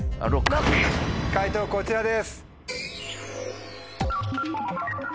解答こちらです。